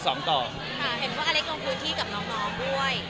เห็นว่ากาเล็กต้องคุยที่กับน้องด้วย